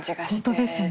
本当ですね。